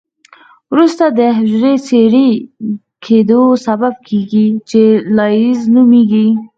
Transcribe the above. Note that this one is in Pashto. وروسته د حجري د څیرې کیدو سبب کیږي چې لایزس نومېږي.